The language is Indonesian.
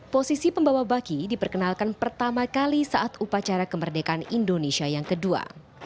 posisi pembawa baki diperkenalkan pertama kali saat upacara kemerdekaan indonesia yang kedua